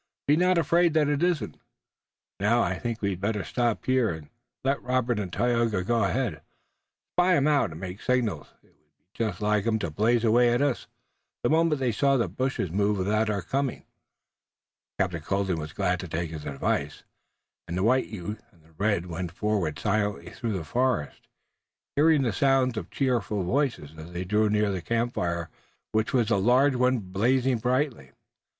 Be not afraid that it isn't. Now, I think we'd better stop here, and let Robert and Tayoga go ahead, spy 'em out and make signals. It would be just like 'em to blaze away at us the moment they saw the bushes move with our coming." Captain Colden was glad to take his advice, and the white youth and the red went forward silently through the forest, hearing the sound of cheerful voices, as they drew near to the campfire which was a large one blazing brightly.